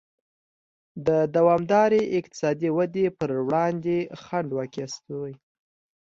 د دوامدارې اقتصادي ودې پر وړاندې خنډ واقع شوی.